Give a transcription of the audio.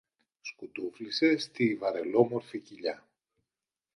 σκουντούφλησε στη βαρελόμορφη κοιλιά